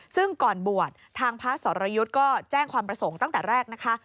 ซึ่งก่อนบวชทางพระสรยุทธ์ก็แจ้งความประสงค์ตั้งแต่แรกนะคะ